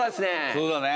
そうだね。